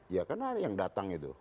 ya karena ada yang datang itu